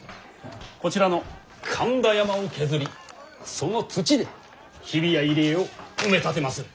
こちらの神田山を削りその土で日比谷入り江を埋め立てまする。